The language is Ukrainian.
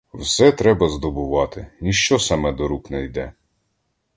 Все треба здобувати, ніщо саме до рук не йде.